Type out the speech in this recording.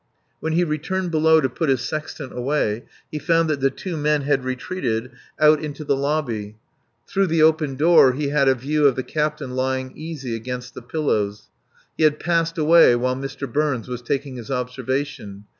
When he returned below to put his sextant away he found that the two men had retreated out into the lobby. Through the open door he had a view of the captain lying easy against the pillows. He had "passed away" while Mr. Burns was taking this observation.